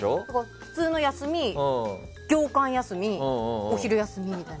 普通の休み、業間休みお昼休みみたいな。